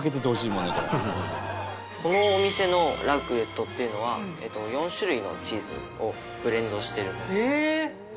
このお店のラクレットっていうのは４種類のチーズをブレンドしてるものです。